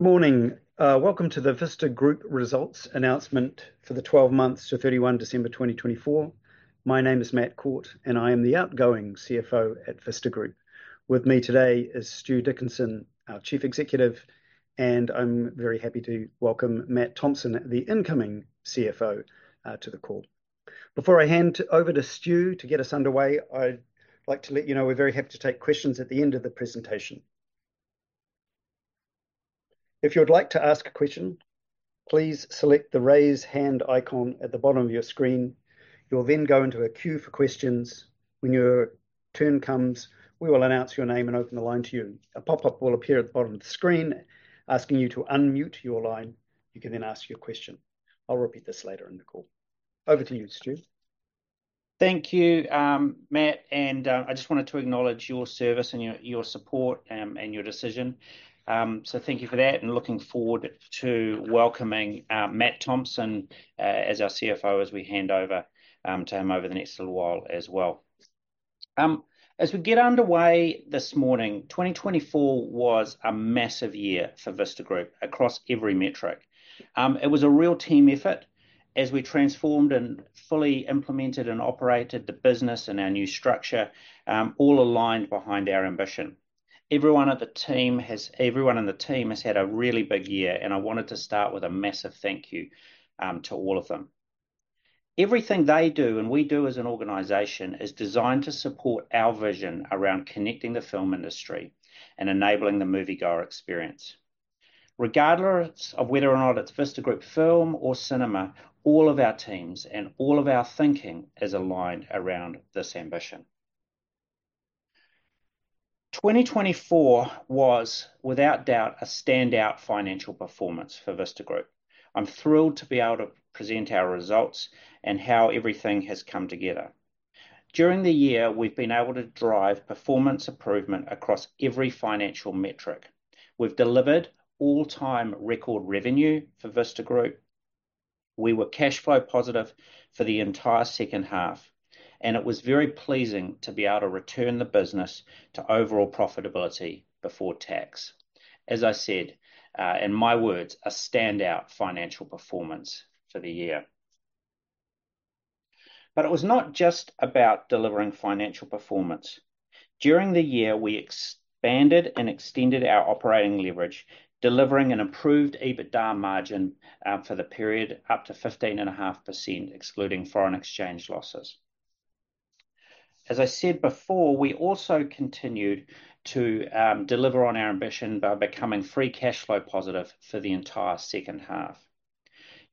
Good morning. Welcome to the Vista Group results announcement for the 12 months to 31 December 2024. My name is Matt Cawte, and I am the outgoing CFO at Vista Group. With me today is Stu Dickinson, our Chief Executive, and I'm very happy to welcome Matt Thompson, the incoming CFO, to the call. Before I hand over to Stu to get us underway, I'd like to let you know we're very happy to take questions at the end of the presentation. If you would like to ask a question, please select the raise hand icon at the bottom of your screen. You'll then go into a queue for questions. When your turn comes, we will announce your name and open the line to you. A pop-up will appear at the bottom of the screen asking you to unmute your line. You can then ask your question. I'll repeat this later in the call. Over to you, Stu. Thank you, Matt, and I just wanted to acknowledge your service and your support and your decision. Thank you for that, and looking forward to welcoming Matt Thompson as our CFO as we hand over to him over the next little while as well. As we get underway this morning, 2024 was a massive year for Vista Group across every metric. It was a real team effort as we transformed and fully implemented and operated the business and our new structure, all aligned behind our ambition. Everyone in the team has had a really big year, and I wanted to start with a massive thank you to all of them. Everything they do and we do as an organization is designed to support our vision around connecting the film industry and enabling the moviegoer experience. Regardless of whether or not it's Vista Group Film or Cinema, all of our teams and all of our thinking is aligned around this ambition. 2024 was, without doubt, a standout financial performance for Vista Group. I'm thrilled to be able to present our results and how everything has come together. During the year, we've been able to drive performance improvement across every financial metric. We've delivered all-time record revenue for Vista Group. We were cash flow positive for the entire second half, and it was very pleasing to be able to return the business to overall profitability before tax. As I said, in my words, a standout financial performance for the year. It was not just about delivering financial performance. During the year, we expanded and extended our operating leverage, delivering an improved EBITDA margin for the period up to 15.5%, excluding foreign exchange losses. As I said before, we also continued to deliver on our ambition by becoming free cash flow positive for the entire second half.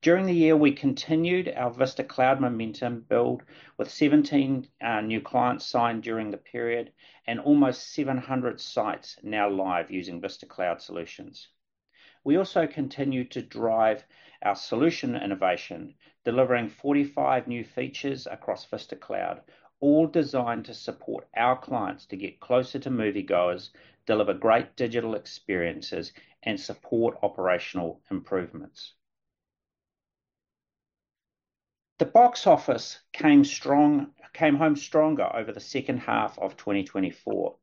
During the year, we continued our Vista Cloud momentum build with 17 new clients signed during the period and almost 700 sites now live using Vista Cloud solutions. We also continued to drive our solution innovation, delivering 45 new features across Vista Cloud, all designed to support our clients to get closer to moviegoers, deliver great digital experiences, and support operational improvements. The box office came home stronger over the second half of 2024.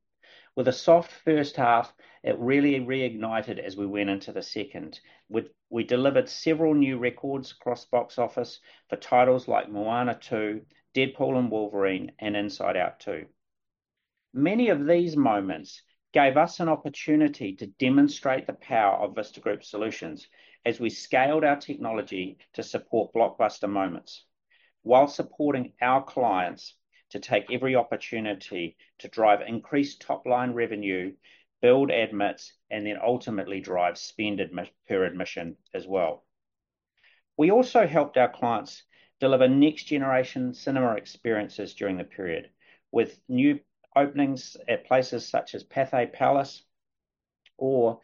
With a soft first half, it really reignited as we went into the second. We delivered several new records across box office for titles like Moana two, Deadpool and Wolverine, and Inside Out two. Many of these moments gave us an opportunity to demonstrate the power of Vista Group solutions as we scaled our technology to support blockbuster moments while supporting our clients to take every opportunity to drive increased top-line revenue, build admits, and then ultimately drive spend per admission as well. We also helped our clients deliver next-generation cinema experiences during the period with new openings at places such as Pathé Palace or,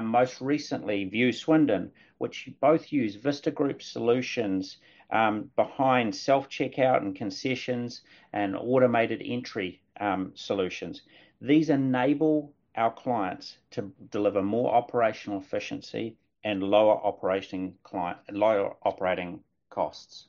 most recently, Vue Swindon, which both use Vista Group solutions behind self-checkout and concessions and automated entry solutions. These enable our clients to deliver more operational efficiency and lower operating costs.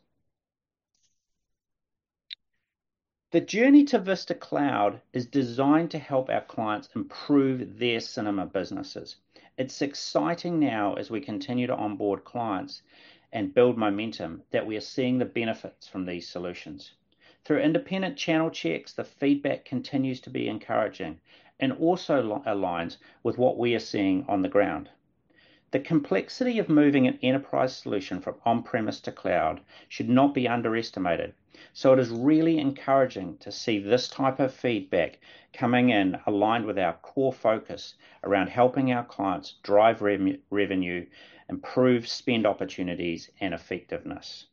The journey to Vista Cloud is designed to help our clients improve their cinema businesses. It's exciting now as we continue to onboard clients and build momentum that we are seeing the benefits from these solutions. Through independent channel checks, the feedback continues to be encouraging and also aligns with what we are seeing on the ground. The complexity of moving an enterprise solution from on-premise to cloud should not be underestimated, so it is really encouraging to see this type of feedback coming in aligned with our core focus around helping our clients drive revenue, improve spend opportunities, and effectiveness.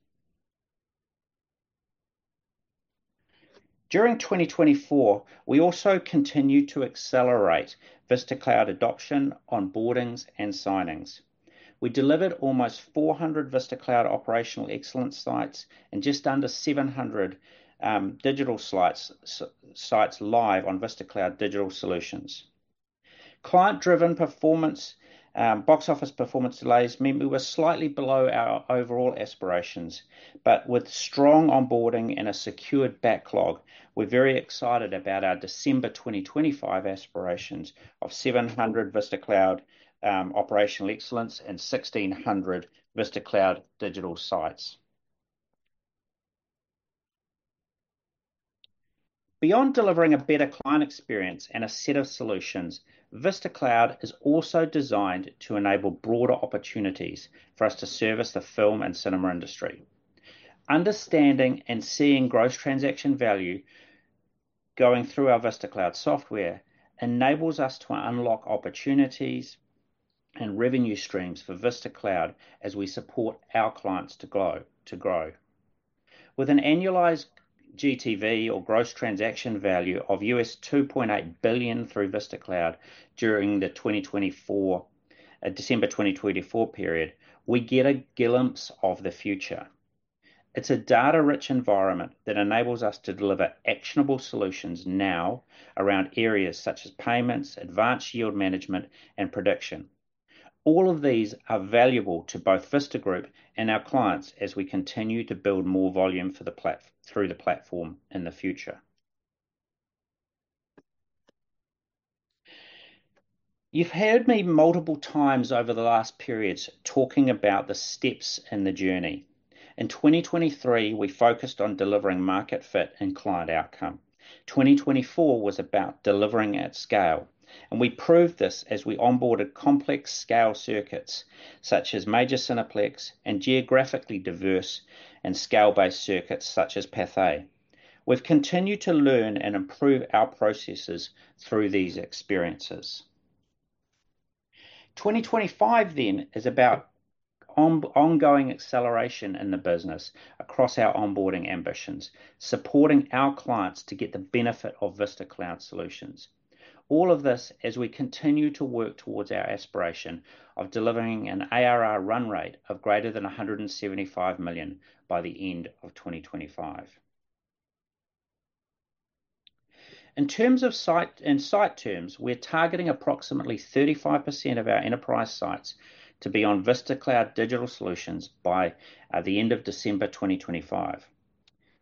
During 2024, we also continue to accelerate Vista Cloud adoption, onboardings, and signings. We delivered almost 400 Vista Cloud operational excellence sites and just under 700 digital sites live on Vista Cloud Digital Solutions. Client-driven performance, box office performance delays mean we were slightly below our overall aspirations, but with strong onboarding and a secured backlog, we're very excited about our December 2025 aspirations of 700 Vista Cloud operational excellence and 1,600 Vista Cloud digital sites. Beyond delivering a better client experience and a set of solutions, Vista Cloud is also designed to enable broader opportunities for us to service the film and cinema industry. Understanding and seeing gross transaction value going through our Vista Cloud software enables us to unlock opportunities and revenue streams for Vista Cloud as we support our clients to grow. With an annualized GTV, or gross transaction value, of $2.8 billion through Vista Cloud during the December 2024 period, we get a glimpse of the future. It's a data-rich environment that enables us to deliver actionable solutions now around areas such as payments, advanced yield management, and production. All of these are valuable to both Vista Group and our clients as we continue to build more volume through the platform in the future. You've heard me multiple times over the last periods talking about the steps in the journey. In 2023, we focused on delivering market fit and client outcome. 2024 was about delivering at scale, and we proved this as we onboarded complex scale circuits such as Major Cineplex and geographically diverse and scale-based circuits such as Pathé. We've continued to learn and improve our processes through these experiences. 2025 then is about ongoing acceleration in the business across our onboarding ambitions, supporting our clients to get the benefit of Vista Cloud solutions. All of this as we continue to work towards our aspiration of delivering an ARR run rate of greater than $175 million by the end of 2025. In terms of site and site terms, we're targeting approximately 35% of our enterprise sites to be on Vista Cloud Digital Solutions by the end of December 2025.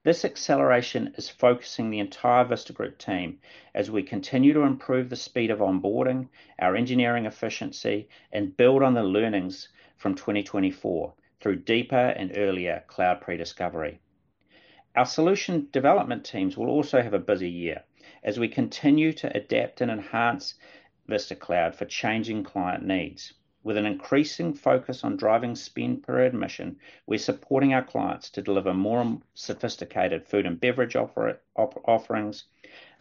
This acceleration is focusing the entire Vista Group team as we continue to improve the speed of onboarding, our engineering efficiency, and build on the learnings from 2024 through deeper and earlier cloud prediscovery. Our solution development teams will also have a busy year as we continue to adapt and enhance Vista Cloud for changing client needs. With an increasing focus on driving spend per admission, we're supporting our clients to deliver more sophisticated food and beverage offerings,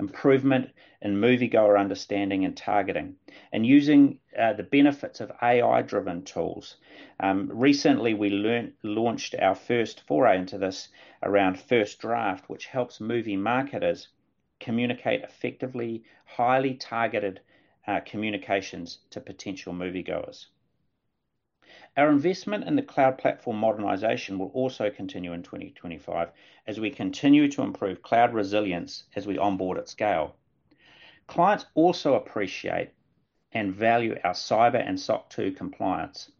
improvement in moviegoer understanding and targeting, and using the benefits of AI-driven tools. Recently, we launched our first foray into this around First Draft, which helps movie marketers communicate effectively, highly targeted communications to potential moviegoers. Our investment in the cloud platform modernization will also continue in 2025 as we continue to improve cloud resilience as we onboard at scale. Clients also appreciate and value our cyber and SOC 2 compliance.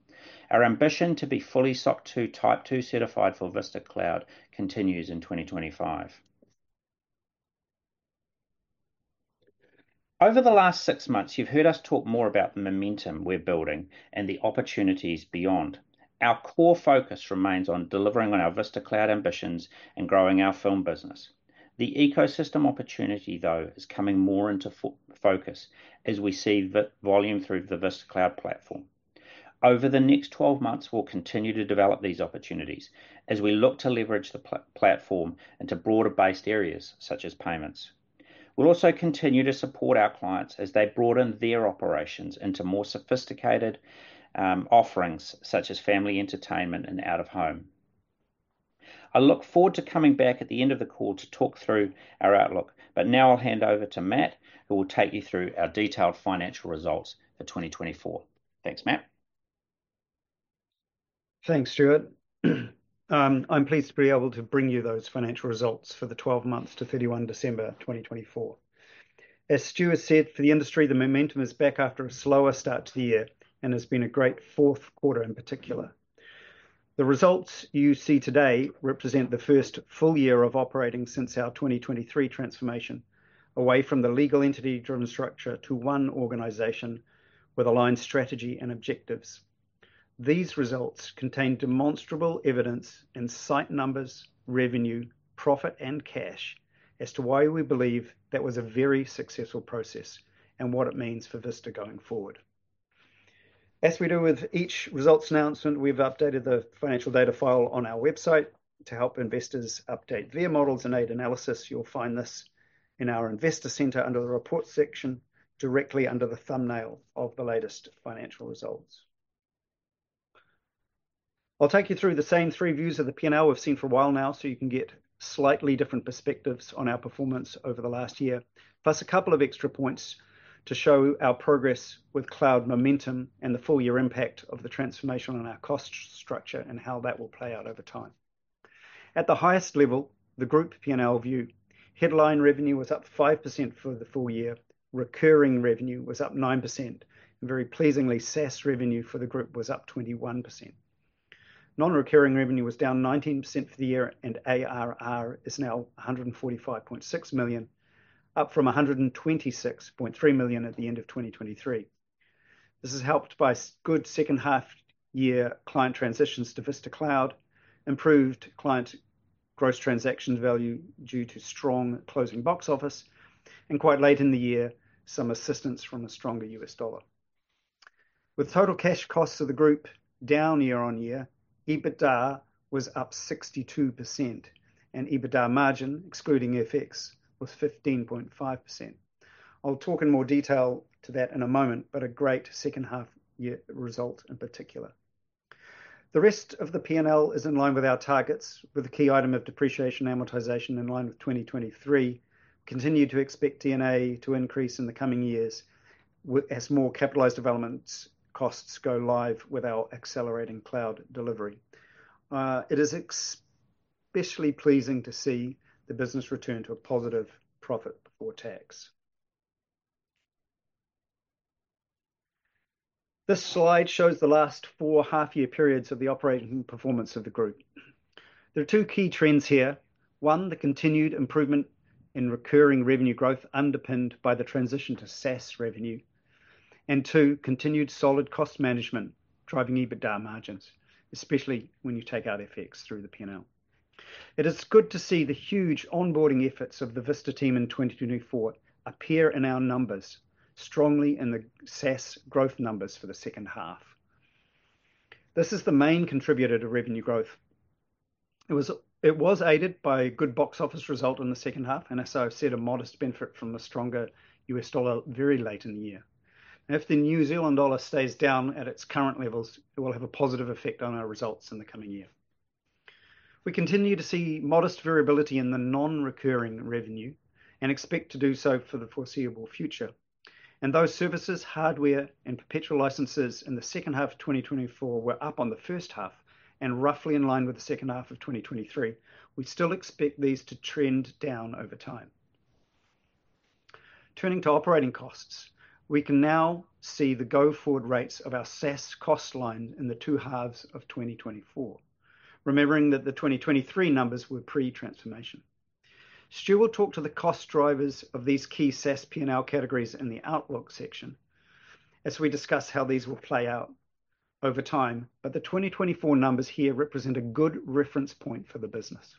Our ambition to be fully SOC 2 Type two certified for Vista Cloud continues in 2025. Over the last six months, you've heard us talk more about the momentum we're building and the opportunities beyond. Our core focus remains on delivering on our Vista Cloud ambitions and growing our film business. The ecosystem opportunity, though, is coming more into focus as we see volume through the Vista Cloud platform. Over the next 12 months, we'll continue to develop these opportunities as we look to leverage the platform into broader-based areas such as payments. We'll also continue to support our clients as they broaden their operations into more sophisticated offerings such as family entertainment and out-of-home. I look forward to coming back at the end of the call to talk through our outlook, but now I'll hand over to Matt, who will take you through our detailed financial results for 2024. Thanks, Matt. Thanks, Stu. I'm pleased to be able to bring you those financial results for the 12 months to 31 December 2024. As Stu has said, for the industry, the momentum is back after a slower start to the year and has been a great fourth quarter in particular. The results you see today represent the first full year of operating since our 2023 transformation, away from the legal entity-driven structure to one organization with aligned strategy and objectives. These results contain demonstrable evidence and cite numbers, revenue, profit, and cash as to why we believe that was a very successful process and what it means for Vista going forward. As we do with each results announcement, we've updated the financial data file on our website to help investors update their models and aid analysis. You'll find this in our investor center under the reports section, directly under the thumbnail of the latest financial results. I'll take you through the same three views of the P&L we've seen for a while now, so you can get slightly different perspectives on our performance over the last year, plus a couple of extra points to show our progress with cloud momentum and the full-year impact of the transformation on our cost structure and how that will play out over time. At the highest level, the group P&L view, headline revenue was up 5% for the full year, recurring revenue was up 9%, and very pleasingly, SaaS revenue for the group was up 21%. Non-recurring revenue was down 19% for the year, and ARR is now $145.6 million, up from $126.3 million at the end of 2023. This is helped by good second-half-year client transitions to Vista Cloud, improved client gross transaction value due to strong closing box office, and quite late in the year, some assistance from a stronger U.S. dollar. With total cash costs of the group down year-on-year, EBITDA was up 62%, and EBITDA margin, excluding FX, was 15.5%. I'll talk in more detail to that in a moment, but a great second-half-year result in particular. The rest of the P&L is in line with our targets, with the key item of depreciation amortization in line with 2023. Continue to expect DNA to increase in the coming years as more capitalized development costs go live with our accelerating cloud delivery. It is especially pleasing to see the business return to a positive profit before tax. This slide shows the last four half-year periods of the operating performance of the group. There are two key trends here. One, the continued improvement in recurring revenue growth underpinned by the transition to SaaS revenue, and two, continued solid cost management driving EBITDA margins, especially when you take out FX through the P&L. It is good to see the huge onboarding efforts of the Vista team in 2024 appear in our numbers strongly in the SaaS growth numbers for the second half. This is the main contributor to revenue growth. It was aided by a good box office result in the second half, and as I've said, a modest benefit from a stronger U.S. dollar very late in the year. If the New Zealand dollar stays down at its current levels, it will have a positive effect on our results in the coming year. We continue to see modest variability in the non-recurring revenue and expect to do so for the foreseeable future. Those services, hardware, and perpetual licenses in the second half of 2024 were up on the first half and roughly in line with the second half of 2023. We still expect these to trend down over time. Turning to operating costs, we can now see the go-forward rates of our SaaS cost line in the two halves of 2024, remembering that the 2023 numbers were pre-transformation. Stu will talk to the cost drivers of these key SaaS P&L categories in the outlook section as we discuss how these will play out over time, but the 2024 numbers here represent a good reference point for the business.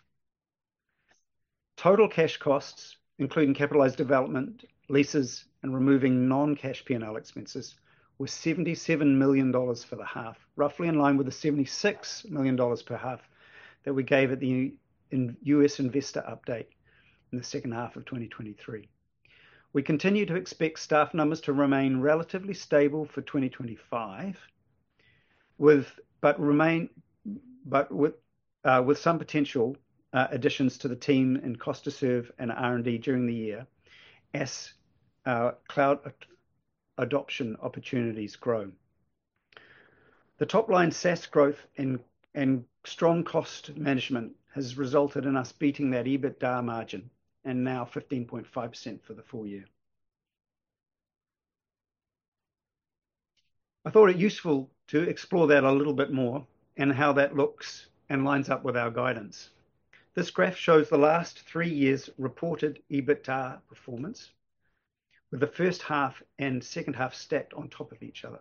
Total cash costs, including capitalized development, leases, and removing non-cash P&L expenses, were $77 million for the half, roughly in line with the $76 million per half that we gave at the U.S. investor update in the second half of 2023. We continue to expect staff numbers to remain relatively stable for 2025, but with some potential additions to the team and cost to serve and R&D during the year as cloud adoption opportunities grow. The top-line SaaS growth and strong cost management has resulted in us beating that EBITDA margin and now 15.5% for the full year. I thought it useful to explore that a little bit more and how that looks and lines up with our guidance. This graph shows the last three years' reported EBITDA performance, with the first half and second half stacked on top of each other.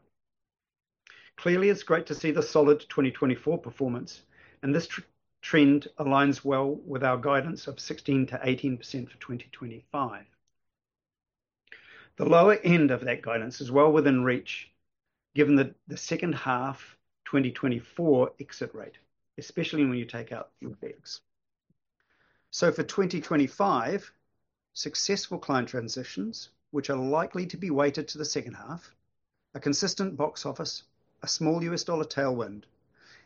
Clearly, it's great to see the solid 2024 performance, and this trend aligns well with our guidance of 16%-18% for 2025. The lower end of that guidance is well within reach given the second half 2024 exit rate, especially when you take out FX. For 2025, successful client transitions, which are likely to be weighted to the second half, a consistent box office, a small U.S. dollar tailwind,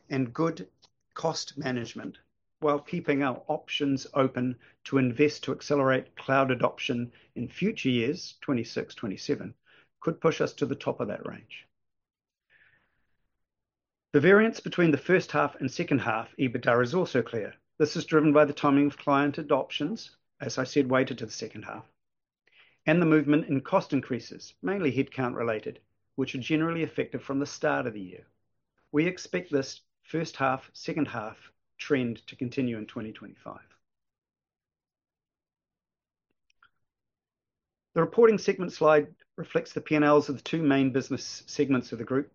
and good cost management while keeping our options open to invest to accelerate cloud adoption in future years, 2026, 2027, could push us to the top of that range. The variance between the first half and second half EBITDA is also clear. This is driven by the timing of client adoptions, as I said, weighted to the second half, and the movement in cost increases, mainly headcount related, which are generally effective from the start of the year. We expect this first half, second half trend to continue in 2025. The reporting segment slide reflects the P&Ls of the two main business segments of the group.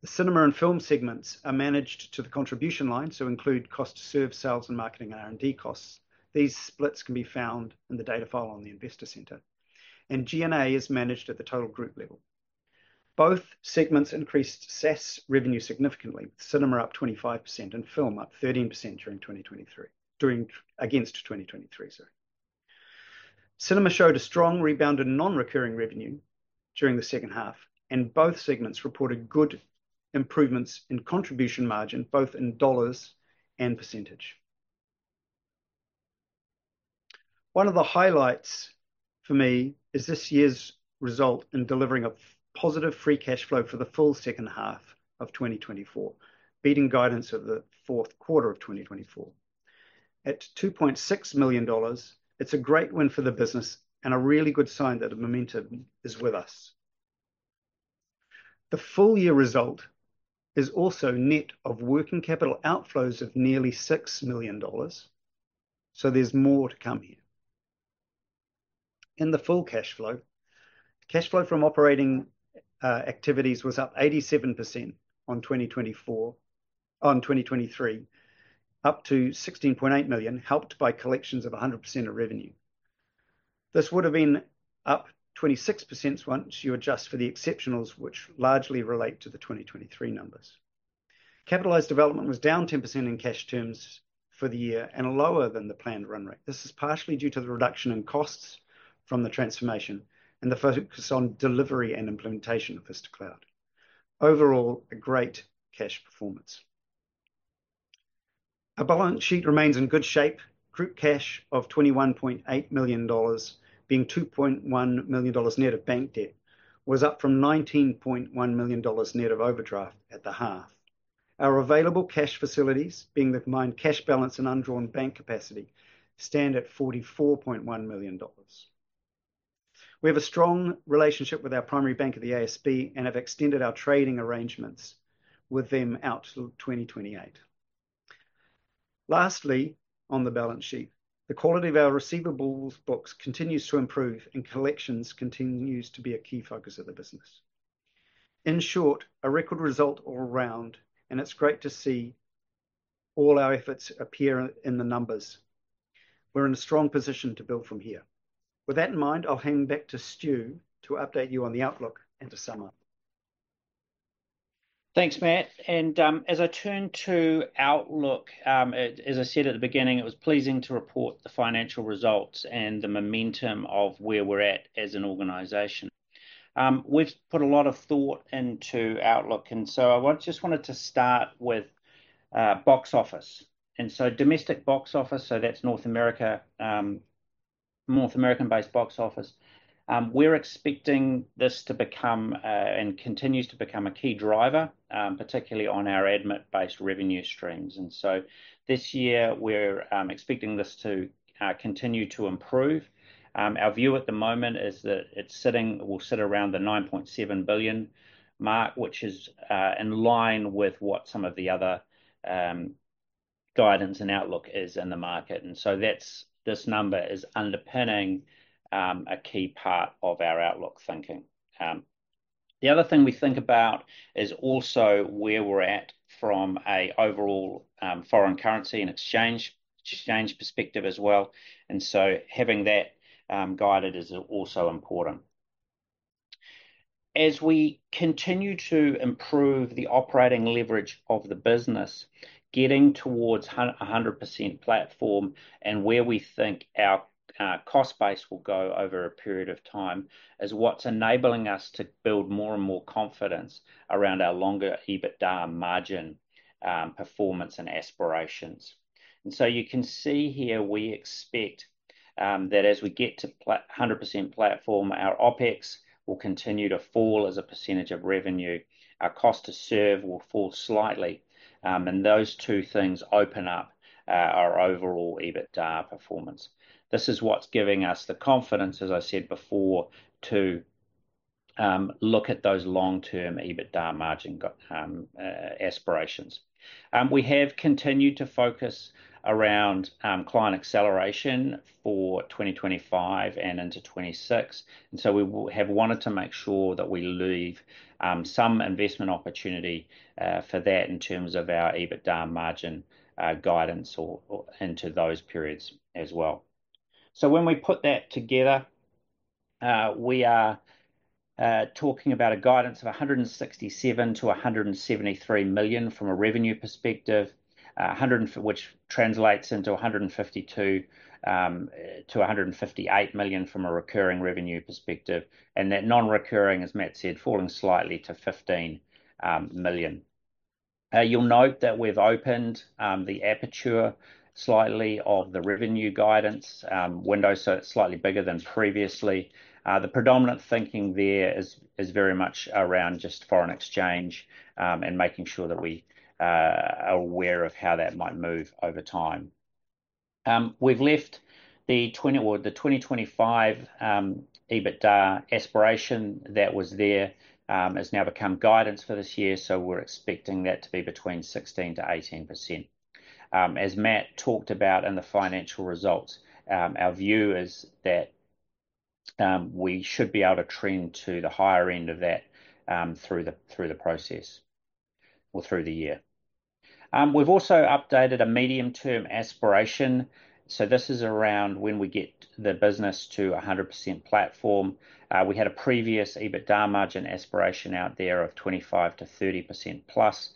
The cinema and film segments are managed to the contribution line, so include cost to serve, sales, and marketing R&D costs. These splits can be found in the data file on the investor center. G&A is managed at the total group level. Both segments increased SaaS revenue significantly, with cinema up 25% and film up 13% during 2023, against 2023, sorry. Cinema showed a strong rebound in non-recurring revenue during the second half, and both segments reported good improvements in contribution margin, both in dollars and percentage. One of the highlights for me is this year's result in delivering a positive free cash flow for the full second half of 2024, beating guidance of the fourth quarter of 2024. At $2.6 million, it's a great win for the business and a really good sign that the momentum is with us. The full-year result is also net of working capital outflows of nearly $6 million, so there's more to come here. In the full cash flow, cash flow from operating activities was up 87% on 2024, on 2023, up to $16.8 million, helped by collections of 100% of revenue. This would have been up 26% once you adjust for the exceptionals, which largely relate to the 2023 numbers. Capitalized development was down 10% in cash terms for the year and lower than the planned run rate. This is partially due to the reduction in costs from the transformation and the focus on delivery and implementation of Vista Cloud. Overall, a great cash performance. Our balance sheet remains in good shape. Group cash of $21.8 million, being $2.1 million net of bank debt, was up from $19.1 million net of overdraft at the half. Our available cash facilities, being the combined cash balance and undrawn bank capacity, stand at $44.1 million. We have a strong relationship with our primary bank of ASB Bank and have extended our trading arrangements with them out to 2028. Lastly, on the balance sheet, the quality of our receivables books continues to improve and collections continues to be a key focus of the business. In short, a record result all around, and it's great to see all our efforts appear in the numbers. We're in a strong position to build from here. With that in mind, I'll hand back to Stu to update you on the outlook and to sum up. Thanks, Matt. As I turn to Outlook, as I said at the beginning, it was pleasing to report the financial results and the momentum of where we're at as an organization. We've put a lot of thought into Outlook, and I just wanted to start with box office. Domestic box office, that's North America, North American-based box office. We're expecting this to become and continues to become a key driver, particularly on our admin-based revenue streams. This year, we're expecting this to continue to improve. Our view at the moment is that it will sit around the $9.7 billion mark, which is in line with what some of the other guidance and outlook is in the market. This number is underpinning a key part of our Outlook thinking. The other thing we think about is also where we're at from an overall foreign currency and exchange perspective as well. Having that guided is also important. As we continue to improve the operating leverage of the business, getting towards a 100% platform and where we think our cost base will go over a period of time is what's enabling us to build more and more confidence around our longer EBITDA margin performance and aspirations. You can see here we expect that as we get to 100% platform, our OpEx will continue to fall as a percentage of revenue. Our cost to serve will fall slightly, and those two things open up our overall EBITDA performance. This is what's giving us the confidence, as I said before, to look at those long-term EBITDA margin aspirations. We have continued to focus around client acceleration for 2025 and into 2026. We have wanted to make sure that we leave some investment opportunity for that in terms of our EBITDA margin guidance into those periods as well. When we put that together, we are talking about a guidance of $167 million-$173 million from a revenue perspective, which translates into $152 million-$158 million from a recurring revenue perspective. That non-recurring, as Matt said, falling slightly to $15 million. You'll note that we've opened the aperture slightly of the revenue guidance window, so it's slightly bigger than previously. The predominant thinking there is very much around just foreign exchange and making sure that we are aware of how that might move over time. We've left the 2025 EBITDA aspiration that was there has now become guidance for this year, so we're expecting that to be between 16%-18%. As Matt talked about in the financial results, our view is that we should be able to trend to the higher end of that through the process or through the year. We've also updated a medium-term aspiration. This is around when we get the business to 100% platform. We had a previous EBITDA margin aspiration out there of 25%-30% plus.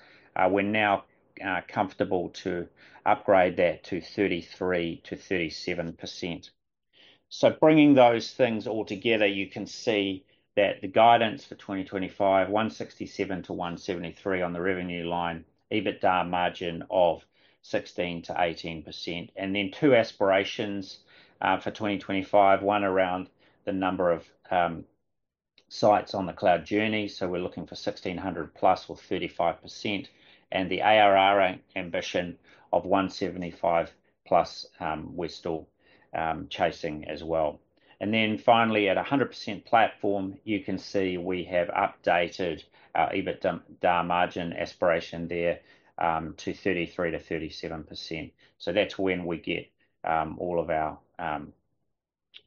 We're now comfortable to upgrade that to 33%-37%. Bringing those things all together, you can see that the guidance for 2025, $167 million-$173 million on the revenue line, EBITDA margin of 16%-18%. Then two aspirations for 2025, one around the number of sites on the cloud journey. We're looking for 1,600 plus or 35%. The ARR ambition of $175 million plus we are still chasing as well. Finally, at 100% platform, you can see we have updated our EBITDA margin aspiration there to 33%-37%. That is when we get all of our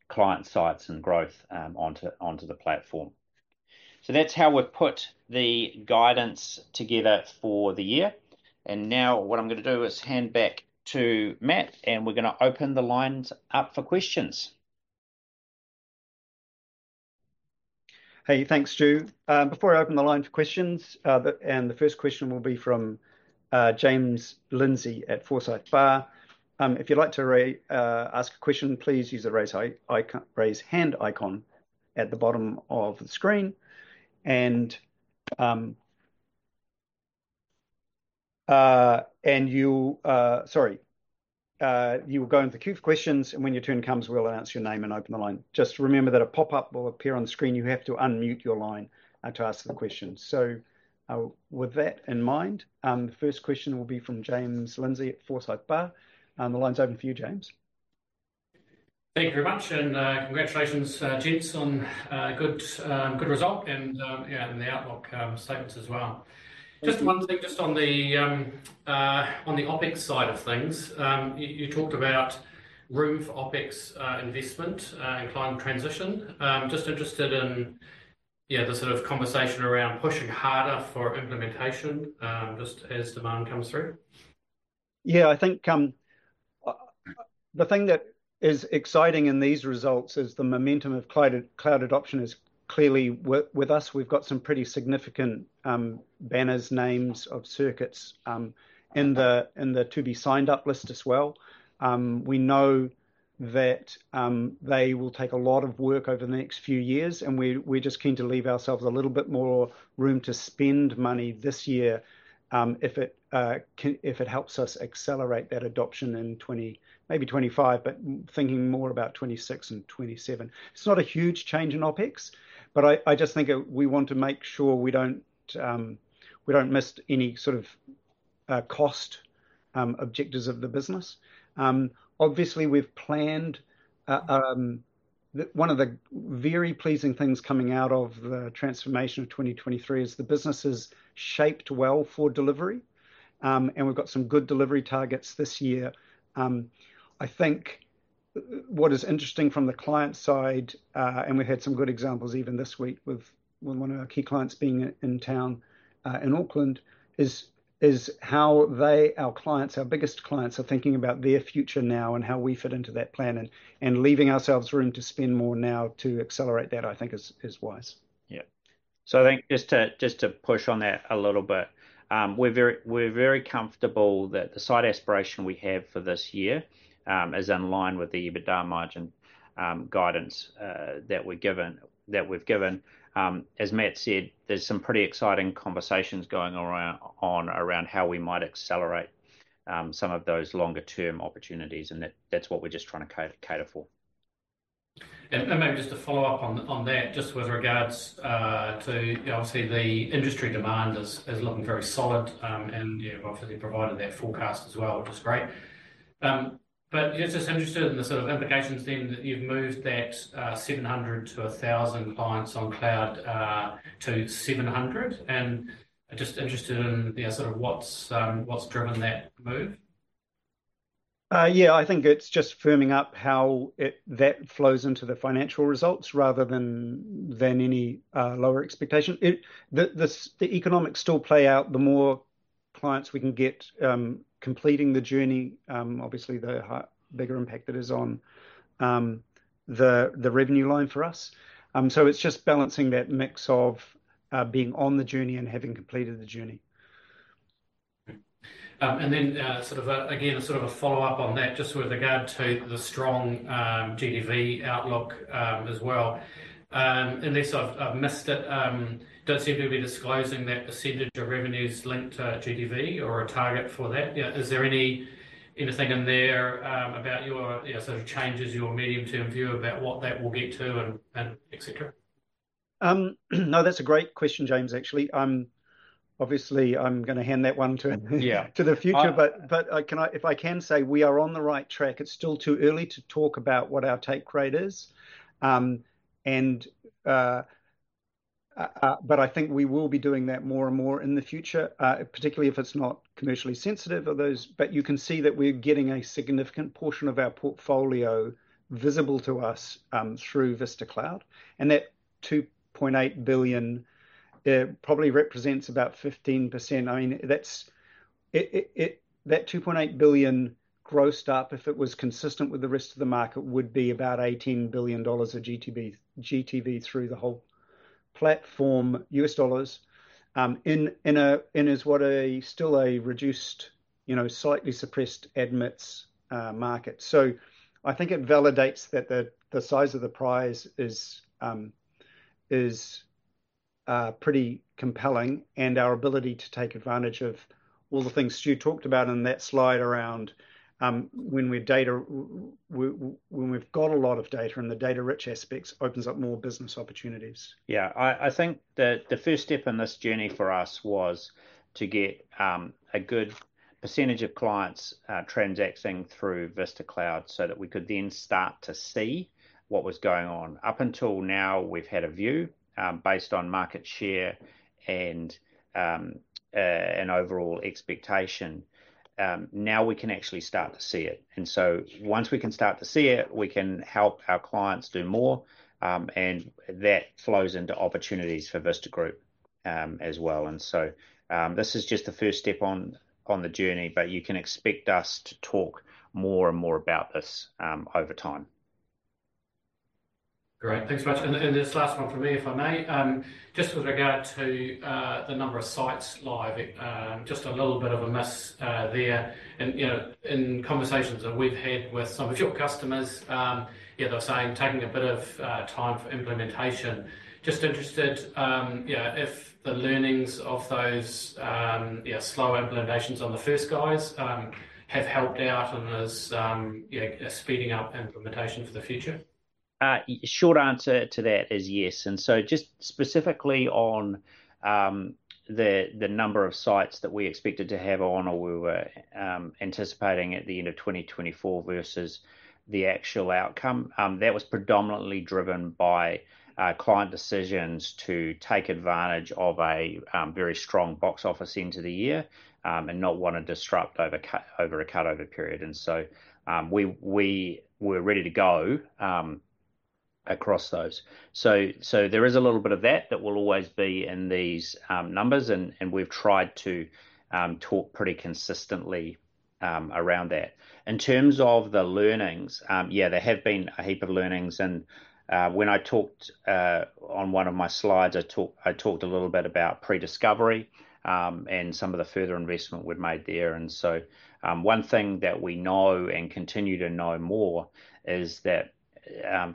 client sites and growth onto the platform. That is how we have put the guidance together for the year. Now what I am going to do is hand back to Matt, and we are going to open the lines up for questions. Hey, thanks, Stu. Before I open the line for questions, and the first question will be from James Lindsay at Forsyth Barr. If you'd like to ask a question, please use the raise hand icon at the bottom of the screen. You will go into the queue for questions, and when your turn comes, we'll announce your name and open the line. Just remember that a pop-up will appear on the screen. You have to unmute your line to ask the question. With that in mind, the first question will be from James Lindsay at Forsyth Barr. The line's open for you, James. Thank you very much, and congratulations, James, on a good result and the outlook statements as well. Just one thing, just on the OpEx side of things, you talked about room for OpEx investment and climate transition. Just interested in, yeah, the sort of conversation around pushing harder for implementation just as demand comes through. Yeah, I think the thing that is exciting in these results is the momentum of cloud adoption is clearly with us. We've got some pretty significant banners, names of circuits in the to-be-signed-up list as well. We know that they will take a lot of work over the next few years, and we're just keen to leave ourselves a little bit more room to spend money this year if it helps us accelerate that adoption in maybe 2025, but thinking more about 2026 and 2027. It's not a huge change in OpEx, but I just think we want to make sure we don't miss any sort of cost objectives of the business. Obviously, we've planned that one of the very pleasing things coming out of the transformation of 2023 is the business is shaped well for delivery, and we've got some good delivery targets this year. I think what is interesting from the client side, and we've had some good examples even this week with one of our key clients being in town in Auckland, is how our clients, our biggest clients, are thinking about their future now and how we fit into that plan and leaving ourselves room to spend more now to accelerate that, I think, is wise. Yeah. I think just to push on that a little bit, we're very comfortable that the site aspiration we have for this year is in line with the EBITDA margin guidance that we've given. As Matt said, there's some pretty exciting conversations going on around how we might accelerate some of those longer-term opportunities, and that's what we're just trying to cater for. Maybe just to follow up on that, just with regards to, obviously, the industry demand is looking very solid, and you've obviously provided that forecast as well, which is great. Just interested in the sort of implications then that you've moved that 700 to 1,000 clients on cloud to 700, and just interested in sort of what's driven that move. Yeah, I think it's just firming up how that flows into the financial results rather than any lower expectation. The economics still play out the more clients we can get completing the journey, obviously, the bigger impact that is on the revenue line for us. It's just balancing that mix of being on the journey and having completed the journey. Sort of again, sort of a follow-up on that, just with regard to the strong GTV outlook as well. Unless I've missed it, don't seem to be disclosing that percentage of revenues linked to GTV or a target for that. Is there anything in there about your sort of changes, your medium-term view about what that will get to, and etc.? No, that's a great question, James, actually. Obviously, I'm going to hand that one to the future, but if I can say we are on the right track, it's still too early to talk about what our take rate is. I think we will be doing that more and more in the future, particularly if it's not commercially sensitive or those. You can see that we're getting a significant portion of our portfolio visible to us through Vista Cloud. That $2.8 billion probably represents about 15%. I mean, that $2.8 billion gross, if it was consistent with the rest of the market, would be about $18 billion of GTV through the whole platform, U.S. dollars, in what is still a reduced, slightly suppressed admits market. I think it validates that the size of the prize is pretty compelling and our ability to take advantage of all the things Stu talked about in that slide around when we've got a lot of data and the data-rich aspects opens up more business opportunities. Yeah, I think that the first step in this journey for us was to get a good percentage of clients transacting through Vista Cloud so that we could then start to see what was going on. Up until now, we've had a view based on market share and an overall expectation. Now we can actually start to see it. Once we can start to see it, we can help our clients do more, and that flows into opportunities for Vista Group as well. This is just the first step on the journey, but you can expect us to talk more and more about this over time. Great. Thanks so much. This last one for me, if I may, just with regard to the number of sites live, just a little bit of a miss there. In conversations that we've had with some of your customers, they're saying taking a bit of time for implementation. Just interested if the learnings of those slow implementations on the first guys have helped out and is speeding up implementation for the future? Short answer to that is yes. Just specifically on the number of sites that we expected to have on or we were anticipating at the end of 2024 versus the actual outcome, that was predominantly driven by client decisions to take advantage of a very strong box office into the year and not want to disrupt over a cutover period. We were ready to go across those. There is a little bit of that that will always be in these numbers, and we've tried to talk pretty consistently around that. In terms of the learnings, yeah, there have been a heap of learnings. When I talked on one of my slides, I talked a little bit about pre-discovery and some of the further investment we've made there. One thing that we know and continue to know more is that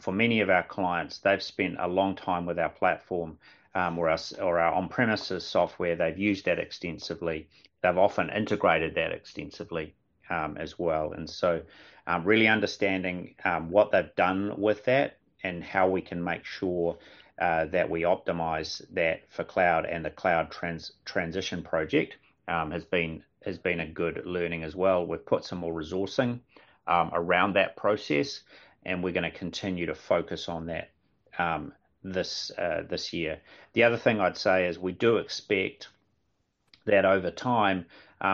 for many of our clients, they've spent a long time with our platform or our on-premises software. They've used that extensively. They've often integrated that extensively as well. Really understanding what they've done with that and how we can make sure that we optimize that for cloud and the cloud transition project has been a good learning as well. We've put some more resourcing around that process, and we're going to continue to focus on that this year. The other thing I'd say is we do expect that over time,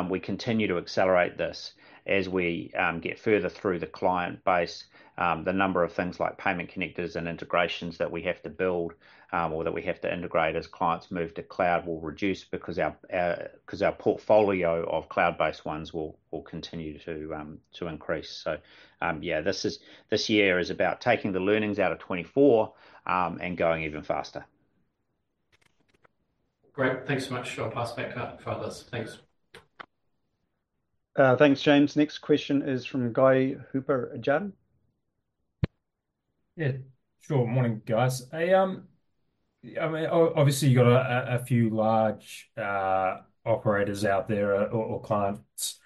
we continue to accelerate this as we get further through the client base. The number of things like payment connectors and integrations that we have to build or that we have to integrate as clients move to cloud will reduce because our portfolio of cloud-based ones will continue to increase. This year is about taking the learnings out of 2024 and going even faster. Great. Thanks so much. I'll pass back to that further. Thanks. Thanks, James. Next question is from Guy Hooper Jarden. Yeah. Sure. Morning, guys. I mean, obviously, you've got a few large operators out there or clients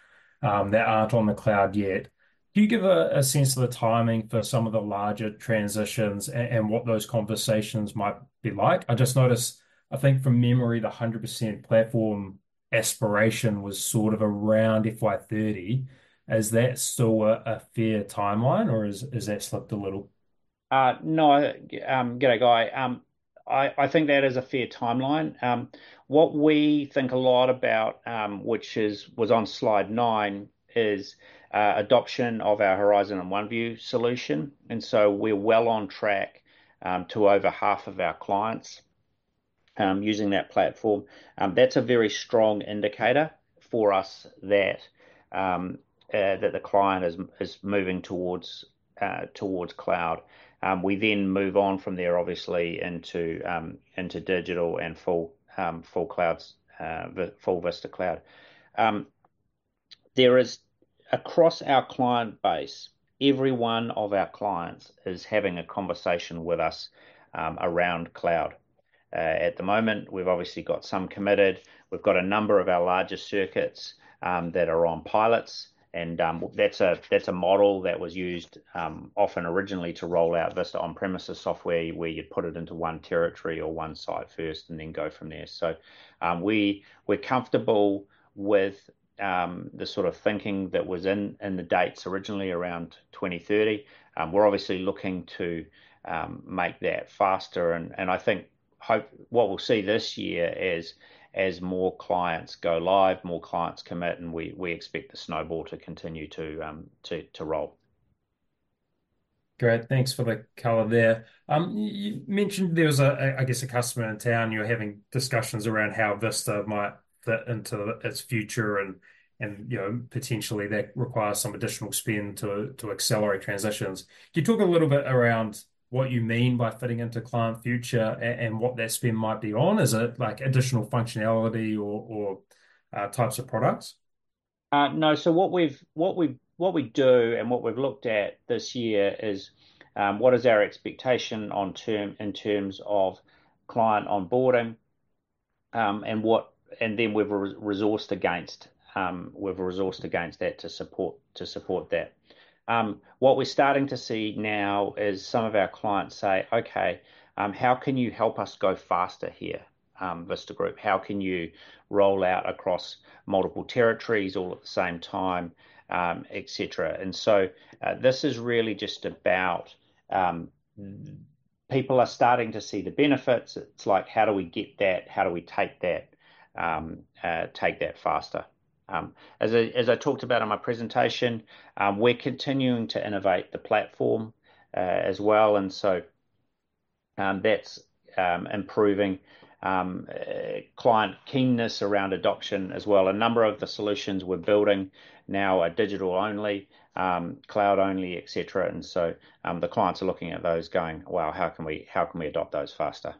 that aren't on the cloud yet. Do you give a sense of the timing for some of the larger transitions and what those conversations might be like? I just noticed, I think from memory, the 100% platform aspiration was sort of around FY 2030. Is that still a fair timeline, or has that slipped a little? No, get it, Guy. I think that is a fair timeline. What we think a lot about, which was on slide nine, is adoption of our Horizon and OneView solution. And so we're well on track to over half of our clients using that platform. That's a very strong indicator for us that the client is moving towards cloud. We then move on from there, obviously, into digital and full Vista Cloud. Across our client base, every one of our clients is having a conversation with us around cloud. At the moment, we've obviously got some committed. We've got a number of our larger circuits that are on pilots. And that's a model that was used often originally to roll out Vista on-premises software where you'd put it into one territory or one site first and then go from there. We're comfortable with the sort of thinking that was in the dates originally around 2030. We're obviously looking to make that faster. I think what we'll see this year is more clients go live, more clients commit, and we expect the snowball to continue to roll. Great. Thanks for the color there. You mentioned there was, I guess, a customer in town. You were having discussions around how Vista might fit into its future and potentially that requires some additional spend to accelerate transitions. Can you talk a little bit around what you mean by fitting into client future and what that spend might be on? Is it additional functionality or types of products? No. What we do and what we've looked at this year is what is our expectation in terms of client onboarding and then we've resourced against that to support that. What we're starting to see now is some of our clients say, "Okay, how can you help us go faster here, Vista Group? How can you roll out across multiple territories all at the same time, etc.?" This is really just about people are starting to see the benefits. It's like, how do we get that? How do we take that faster? As I talked about in my presentation, we're continuing to innovate the platform as well. That is improving client keenness around adoption as well. A number of the solutions we're building now are digital-only, cloud-only, etc. The clients are looking at those going, "Wow, how can we adopt those faster?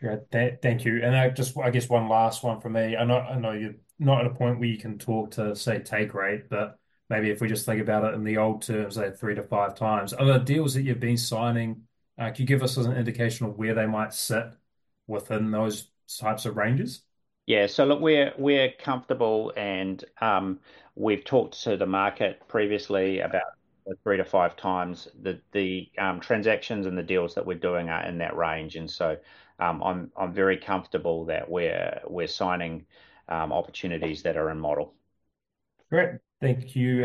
Great. Thank you. I guess one last one for me. I know you're not at a point where you can talk to, say, take rate, but maybe if we just think about it in the old terms, say, three to five times. Are there deals that you've been signing? Can you give us an indication of where they might sit within those types of ranges? Yeah. Look, we're comfortable, and we've talked to the market previously about three to five times. The transactions and the deals that we're doing are in that range. I'm very comfortable that we're signing opportunities that are in model. Great. Thank you.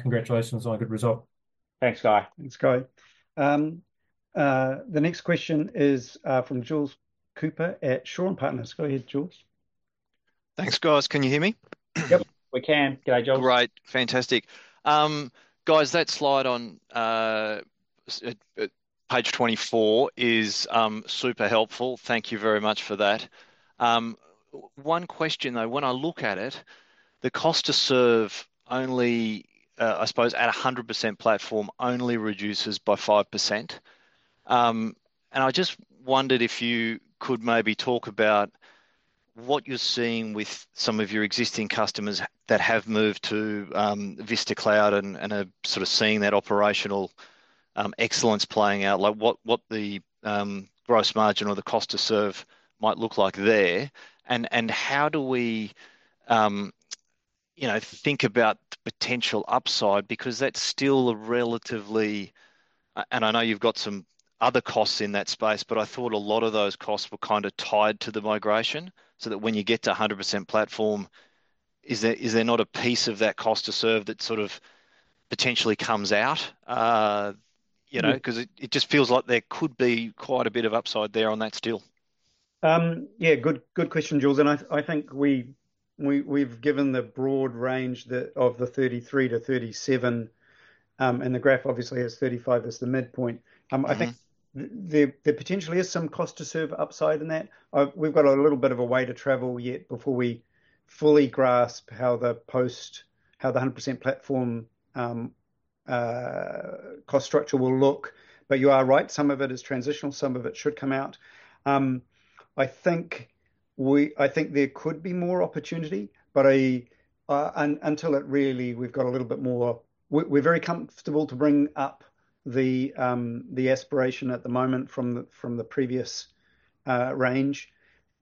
Congratulations on a good result. Thanks, Guy. Thanks, Guy. The next question is from Jules Cooper at Shaw and Partners. Go ahead, Jules. Thanks, guys. Can you hear me? Yep. We can. Okay, Jules. All right. Fantastic. Guys, that slide on page 24 is super helpful. Thank you very much for that. One question though, when I look at it, the cost to serve only, I suppose, at 100% platform only reduces by 5%. I just wondered if you could maybe talk about what you're seeing with some of your existing customers that have moved to Vista Cloud and are sort of seeing that operational excellence playing out, what the gross margin or the cost to serve might look like there. How do we think about potential upside? That's still a relatively—and I know you've got some other costs in that space, but I thought a lot of those costs were kind of tied to the migration so that when you get to 100% platform, is there not a piece of that cost to serve that sort of potentially comes out? Because it just feels like there could be quite a bit of upside there on that still. Yeah. Good question, Jules. I think we've given the broad range of the 33-37, and the graph obviously has 35 as the midpoint. I think there potentially is some cost to serve upside in that. We've got a little bit of a way to travel yet before we fully grasp how the 100% platform cost structure will look. You are right. Some of it is transitional. Some of it should come out. I think there could be more opportunity, but until it really—we've got a little bit more—we're very comfortable to bring up the aspiration at the moment from the previous range.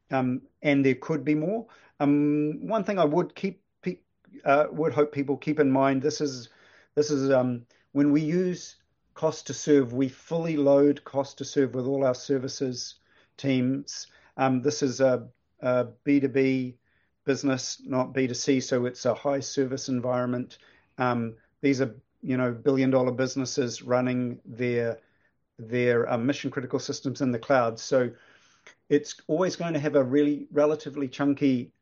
There could be more. One thing I would hope people keep in mind, this is when we use cost to serve, we fully load cost to serve with all our services teams. This is a B2B business, not B2C, so it's a high-service environment. These are billion-dollar businesses running their mission-critical systems in the cloud. It's always going to have a really relatively chunky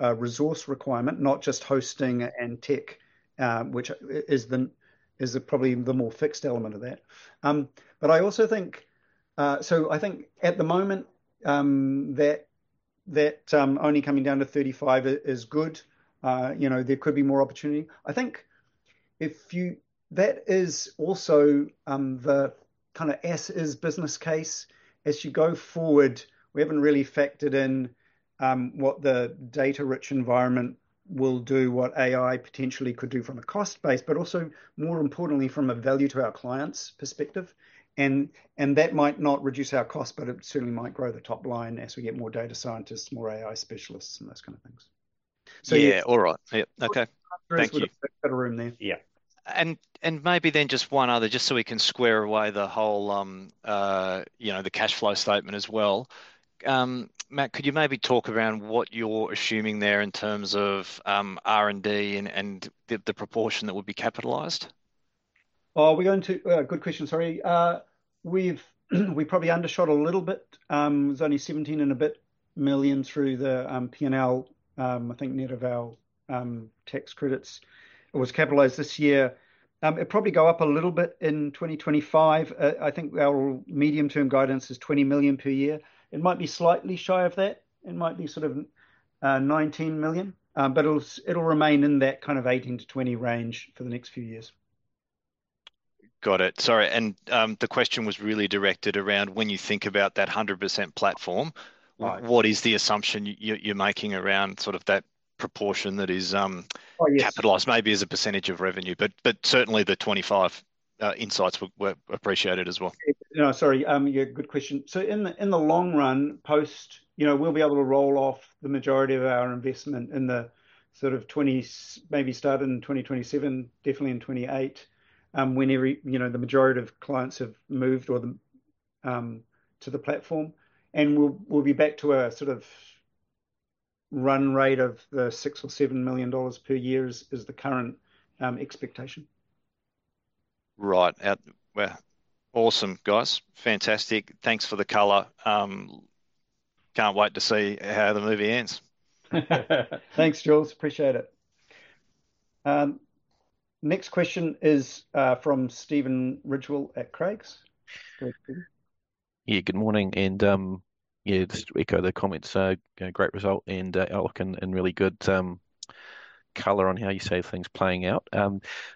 resource requirement, not just hosting and tech, which is probably the more fixed element of that. I also think at the moment, that only coming down to 35 is good. There could be more opportunity. I think that is also the kind of as-is business case. As you go forward, we haven't really factored in what the data-rich environment will do, what AI potentially could do from a cost base, but also, more importantly, from a value-to-our-clients perspective. That might not reduce our cost, but it certainly might grow the top line as we get more data scientists, more AI specialists, and those kind of things. Yeah. All right. Yep. Okay. Thank you. Thanks. Better room there. Yeah. Maybe then just one other, just so we can square away the whole cash flow statement as well. Matt, could you maybe talk around what you're assuming there in terms of R&D and the proportion that would be capitalized? Oh, we're going to—good question, sorry. We probably undershot a little bit. It was only $17 million and a bit through the P&L, I think, net of our tax credits. It was capitalized this year. It'll probably go up a little bit in 2025. I think our medium-term guidance is $20 million per year. It might be slightly shy of that. It might be sort of $19 million. But it'll remain in that kind of $18 million-$20 million range for the next few years. Got it. Sorry. The question was really directed around when you think about that 100% platform, what is the assumption you're making around sort of that proportion that is capitalized? Maybe as a percentage of revenue, but certainly the 25 insights were appreciated as well. No, sorry. Yeah, good question. In the long run, we will be able to roll off the majority of our investment in the sort of 2027—maybe start in 2027, definitely in 2028, when the majority of clients have moved to the platform. We will be back to a sort of run rate of $6 million or $7 million per year is the current expectation. Right. Awesome, guys. Fantastic. Thanks for the color. Can't wait to see how the movie ends. Thanks, Jules. Appreciate it. Next question is from Stephen Ridgewell at Craigs. Yeah. Good morning. Yeah, just to echo the comments, great result and outlook and really good color on how you see things playing out.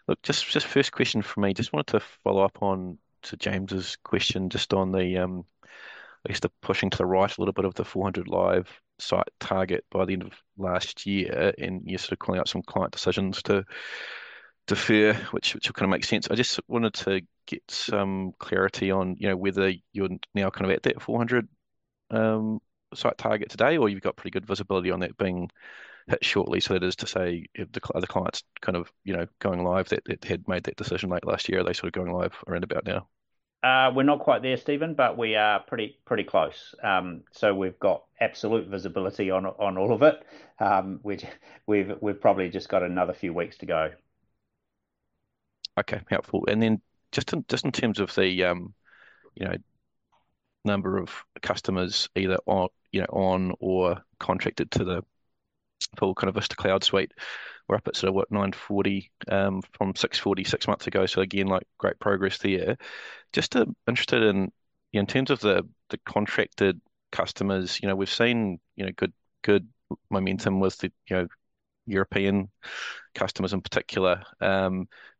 Look, just first question for me, just wanted to follow up on to James's question just on the, I guess, the pushing to the right a little bit of the 400 live site target by the end of last year, and you're sort of calling out some client decisions to fair, which will kind of make sense. I just wanted to get some clarity on whether you're now kind of at that 400 site target today, or you've got pretty good visibility on that being hit shortly. That is to say, are the clients kind of going live? They had made that decision late last year. Are they sort of going live around about now? We're not quite there, Stephen, but we are pretty close. We have got absolute visibility on all of it. We have probably just got another few weeks to go. Okay. Helpful. In terms of the number of customers either on or contracted to the full kind of Vista Cloud suite, we're up at sort of what, 940 from 640 six months ago. Great progress there. Just interested in terms of the contracted customers, we've seen good momentum with the European customers in particular.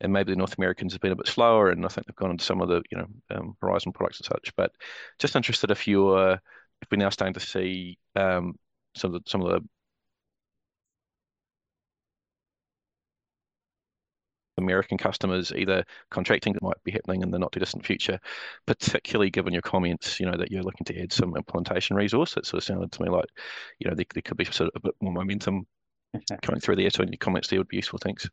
Maybe the North Americans have been a bit slower, and I think they've gone on to some of the Horizon products and such. Just interested if you're—if we're now starting to see some of the American customers either contracting. Might be happening in the not-too-distant future, particularly given your comments that you're looking to add some implementation resources. It sounded to me like there could be sort of a bit more momentum coming through there. In your comments, there would be useful things.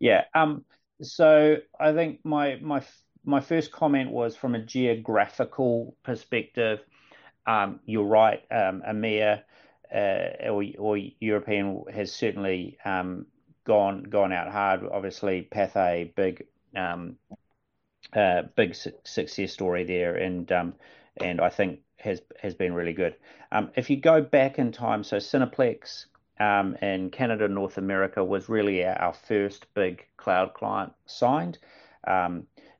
Yeah. I think my first comment was from a geographical perspective. You're right, Amir, Europe has certainly gone out hard. Obviously, Pathé, big success story there, and I think has been really good. If you go back in time, Cineplex in Canada and North America was really our first big cloud client signed.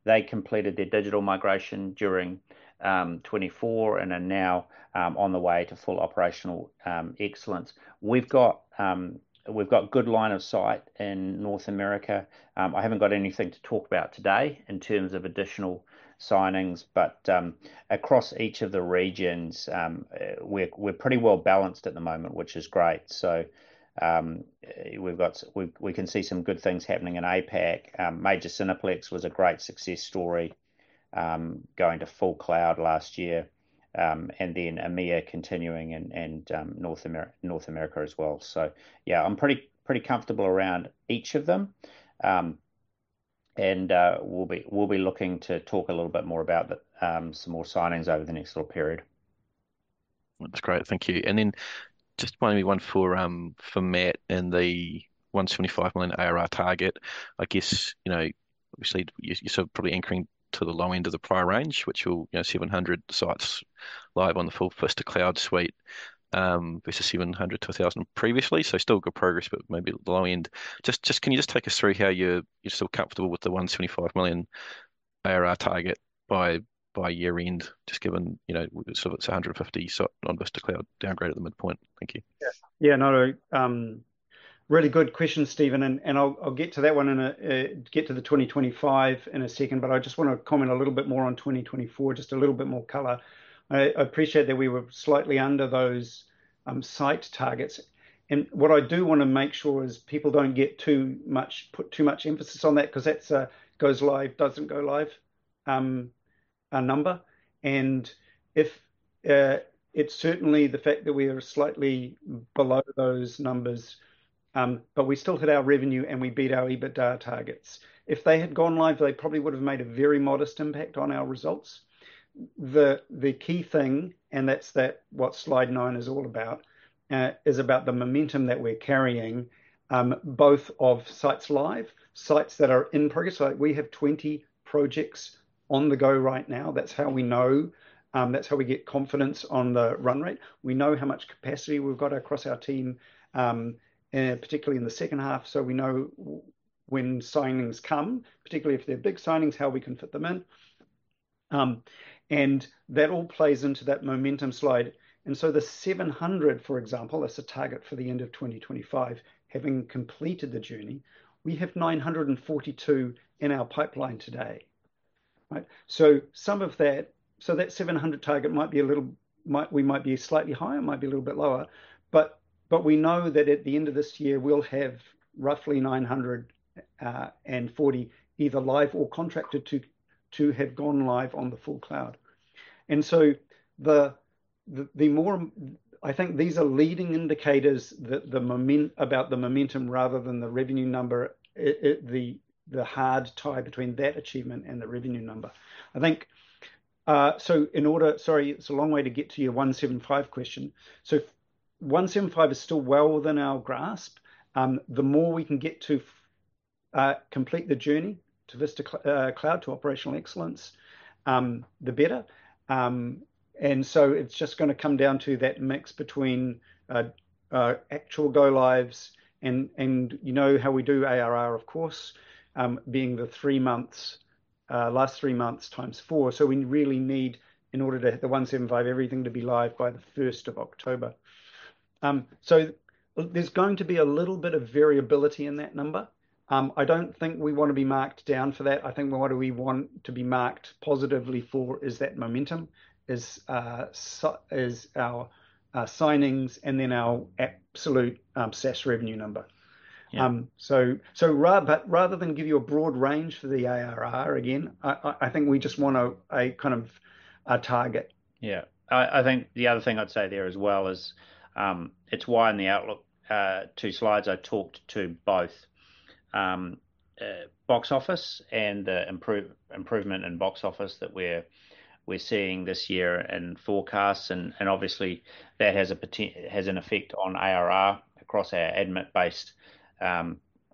They completed their digital migration during 2024 and are now on the way to full operational excellence. We've got a good line of sight in North America. I haven't got anything to talk about today in terms of additional signings, but across each of the regions, we're pretty well balanced at the moment, which is great. We can see some good things happening in APAC. Major Cineplex was a great success story going to full cloud last year, and then Amir continuing in North America as well. Yeah, I'm pretty comfortable around each of them. We'll be looking to talk a little bit more about some more signings over the next little period. That's great. Thank you. Just one for Matt and the $175 million ARR target. I guess, obviously, you're sort of probably anchoring to the low end of the prior range, which will be 700 sites live on the full Vista Cloud suite versus 700-1,000 previously. Still good progress, but maybe the low end. Just can you take us through how you're still comfortable with the $175 million ARR target by year-end, just given sort of its 150 site on Vista Cloud downgrade at the midpoint? Thank you. Yeah. Not a really good question, Stephen. I'll get to that one and get to the 2025 in a second, but I just want to comment a little bit more on 2024, just a little bit more color. I appreciate that we were slightly under those site targets. What I do want to make sure is people don't put too much emphasis on that because that goes live, doesn't go live, our number. It's certainly the fact that we are slightly below those numbers, but we still hit our revenue and we beat our EBITDA targets. If they had gone live, they probably would have made a very modest impact on our results. The key thing, and that's what slide nine is all about, is about the momentum that we're carrying, both of sites live, sites that are in progress. We have 20 projects on the go right now. That's how we know. That's how we get confidence on the run rate. We know how much capacity we've got across our team, particularly in the second half. We know when signings come, particularly if they're big signings, how we can fit them in. That all plays into that momentum slide. The 700, for example, that's a target for the end of 2025, having completed the journey. We have 942 in our pipeline today. Some of that, so that 700 target might be a little—we might be slightly higher, might be a little bit lower. We know that at the end of this year, we'll have roughly 940 either live or contracted to have gone live on the full cloud. The more I think these are leading indicators about the momentum rather than the revenue number, the hard tie between that achievement and the revenue number. I think in order—sorry, it is a long way to get to your 175 question. 175 is still well within our grasp. The more we can get to complete the journey to Vista Cloud to operational excellence, the better. It is just going to come down to that mix between actual go lives and how we do ARR, of course, being the last three months times four. We really need, in order to hit the 175, everything to be live by the first of October. There is going to be a little bit of variability in that number. I do not think we want to be marked down for that. I think what we want to be marked positively for is that momentum, is our signings, and then our absolute SaaS revenue number. Rather than give you a broad range for the ARR, again, I think we just want a kind of target. Yeah. I think the other thing I'd say there as well is it's why in the outlook two slides, I talked to both box office and the improvement in box office that we're seeing this year and forecasts. Obviously, that has an effect on ARR across our admin-based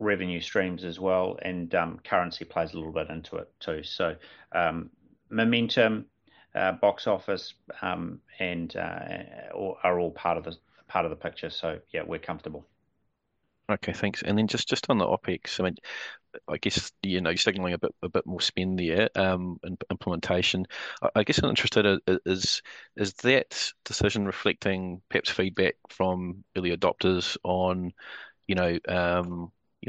revenue streams as well. Currency plays a little bit into it too. Momentum, box office, and are all part of the picture. Yeah, we're comfortable. Okay. Thanks. I mean, just on the OpEx, I guess you're signaling a bit more spend there and implementation. I guess I'm interested, is that decision reflecting perhaps feedback from early adopters on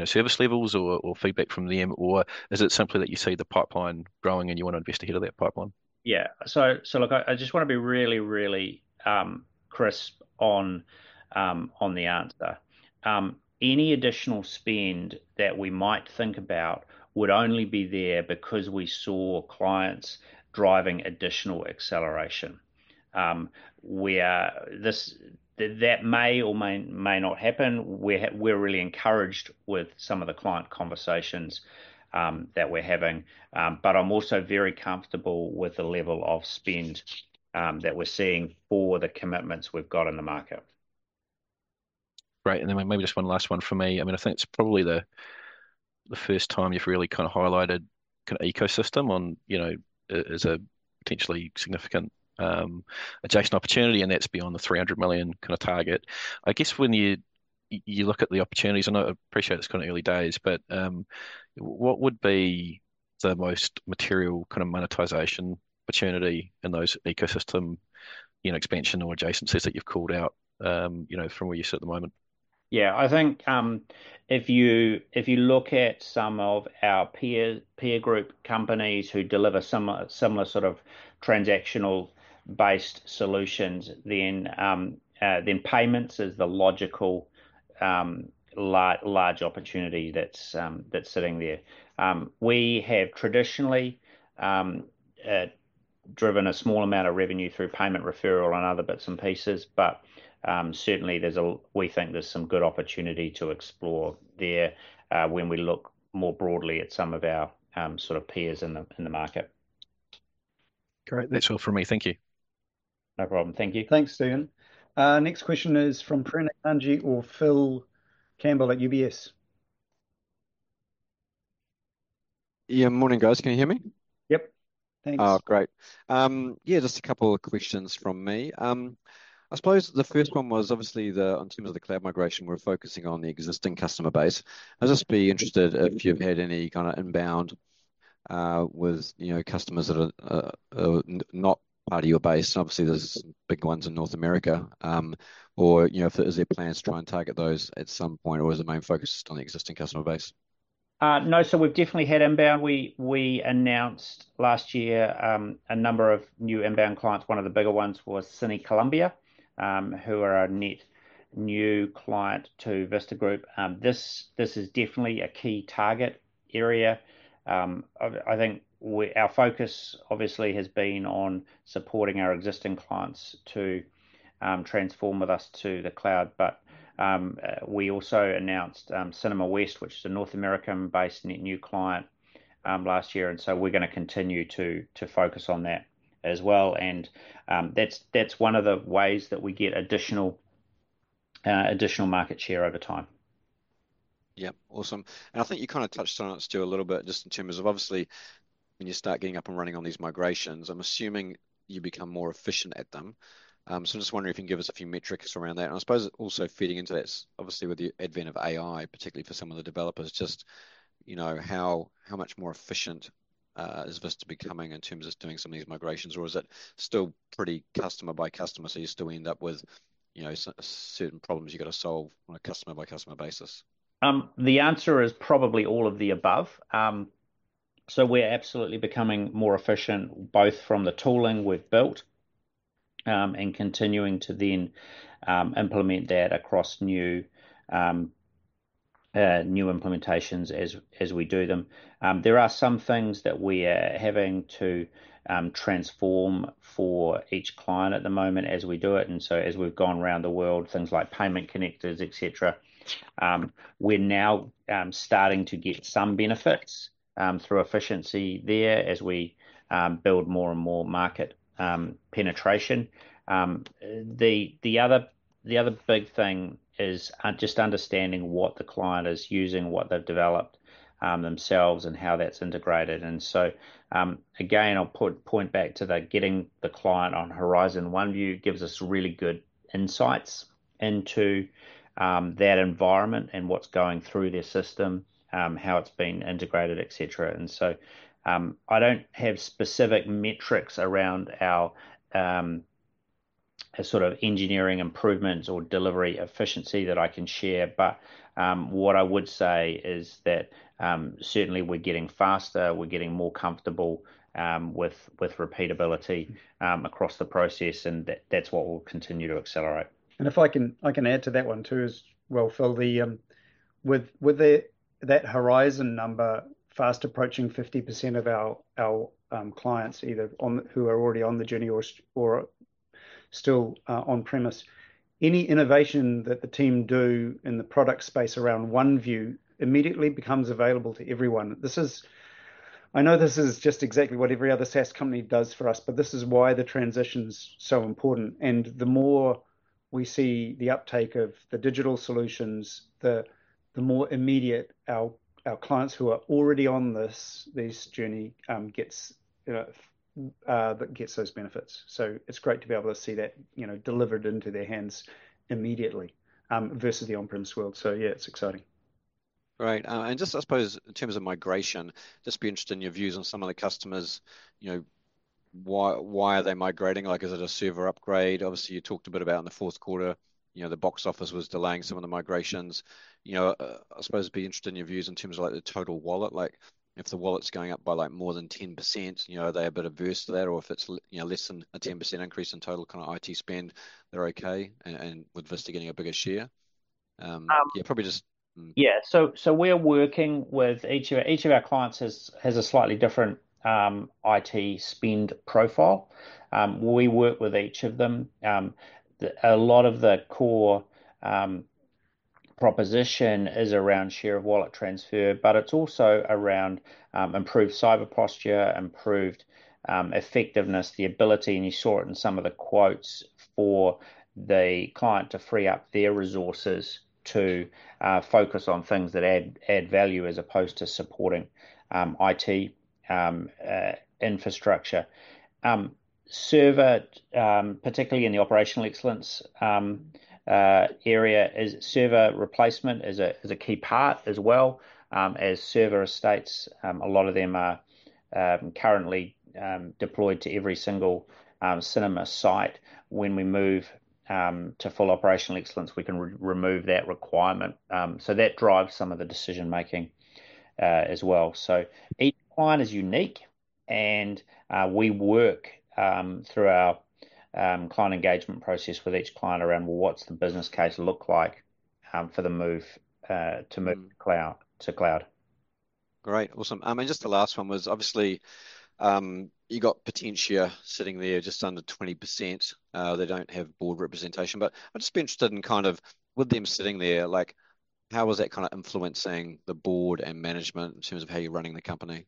service levels or feedback from them, or is it simply that you see the pipeline growing and you want to invest ahead of that pipeline? Yeah. Look, I just want to be really, really crisp on the answer. Any additional spend that we might think about would only be there because we saw clients driving additional acceleration. That may or may not happen. We're really encouraged with some of the client conversations that we're having. I'm also very comfortable with the level of spend that we're seeing for the commitments we've got in the market. Great. Maybe just one last one for me. I mean, I think it's probably the first time you've really kind of highlighted kind of ecosystem as a potentially significant adjacent opportunity, and that's beyond the $300 million kind of target. I guess when you look at the opportunities, and I appreciate it's kind of early days, what would be the most material kind of monetization opportunity in those ecosystem expansion or adjacencies that you've called out from where you sit at the moment? Yeah. I think if you look at some of our peer group companies who deliver similar sort of transactional-based solutions, then payments is the logical large opportunity that's sitting there. We have traditionally driven a small amount of revenue through payment referral and other bits and pieces, but certainly, we think there's some good opportunity to explore there when we look more broadly at some of our sort of peers in the market. Great. That's all from me. Thank you. No problem. Thank you. Thanks, Stephen. Next question is from Pranath Anji or Phil Campbell at UBS. Yeah. Morning, guys. Can you hear me? Yep. Thanks. Oh, great. Yeah, just a couple of questions from me. I suppose the first one was obviously in terms of the cloud migration, we're focusing on the existing customer base. I'd just be interested if you've had any kind of inbound with customers that are not part of your base. Obviously, there's big ones in North America. Is there plans to try and target those at some point, or is the main focus just on the existing customer base? No. We've definitely had inbound. We announced last year a number of new inbound clients. One of the bigger ones was Cine Columbia, who are our net new client to Vista Group. This is definitely a key target area. I think our focus obviously has been on supporting our existing clients to transform with us to the cloud. We also announced Cinema West, which is a North American-based net new client last year. We are going to continue to focus on that as well. That is one of the ways that we get additional market share over time. Yeah. Awesome. I think you kind of touched on it, Stu, a little bit just in terms of obviously, when you start getting up and running on these migrations, I'm assuming you become more efficient at them. I am just wondering if you can give us a few metrics around that. I suppose also feeding into that, obviously, with the advent of AI, particularly for some of the developers, just how much more efficient is Vista becoming in terms of doing some of these migrations? Or is it still pretty customer-by-customer? You still end up with certain problems you have to solve on a customer-by-customer basis? The answer is probably all of the above. We're absolutely becoming more efficient, both from the tooling we've built and continuing to then implement that across new implementations as we do them. There are some things that we are having to transform for each client at the moment as we do it. As we've gone around the world, things like payment connectors, etc., we're now starting to get some benefits through efficiency there as we build more and more market penetration. The other big thing is just understanding what the client is using, what they've developed themselves, and how that's integrated. Again, I'll point back to getting the client on Horizon OneView gives us really good insights into that environment and what's going through their system, how it's been integrated, etc. I don't have specific metrics around our sort of engineering improvements or delivery efficiency that I can share. What I would say is that certainly we're getting faster. We're getting more comfortable with repeatability across the process, and that's what we'll continue to accelerate. If I can add to that one too, as well, Phil, with that Horizon number, fast approaching 50% of our clients, either who are already on the journey or still on-premise, any innovation that the team do in the product space around OneView immediately becomes available to everyone. I know this is just exactly what every other SaaS company does for us, but this is why the transition's so important. The more we see the uptake of the digital solutions, the more immediate our clients who are already on this journey get those benefits. It is great to be able to see that delivered into their hands immediately versus the on-premise world. Yeah, it's exciting. Great. I suppose in terms of migration, just be interested in your views on some of the customers. Why are they migrating? Is it a server upgrade? Obviously, you talked a bit about in the fourth quarter, the box office was delaying some of the migrations. I suppose be interested in your views in terms of the total wallet. If the wallet's going up by more than 10%, are they a bit averse to that? Or if it's less than a 10% increase in total kind of IT spend, they're okay? And with Vista getting a bigger share? Yeah, probably just. Yeah. We are working with each of our clients, as each has a slightly different IT spend profile. We work with each of them. A lot of the core proposition is around share of wallet transfer, but it is also around improved cyber posture, improved effectiveness, the ability, and you saw it in some of the quotes, for the client to free up their resources to focus on things that add value as opposed to supporting IT infrastructure. Server, particularly in the operational excellence area, server replacement is a key part as well. As server estates, a lot of them are currently deployed to every single cinema site. When we move to full operational excellence, we can remove that requirement. That drives some of the decision-making as well. Each client is unique, and we work through our client engagement process with each client around, well, what's the business case look like for the move to cloud? Great. Awesome. Just the last one was obviously you got Potentia sitting there just under 20%. They do not have board representation. I would just be interested in kind of with them sitting there, how is that kind of influencing the board and management in terms of how you are running the company?